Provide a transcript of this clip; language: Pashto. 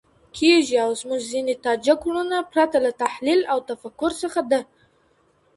کيږي، او زموږ ځيني تاجک وروڼه پرته له تحلیل او تفکر څخه د